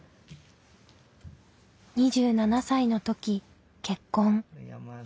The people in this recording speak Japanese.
２７歳の時結婚。